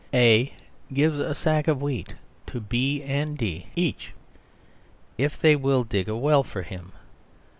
A gives a sack of wheat to Band D each if they will dig a well for him.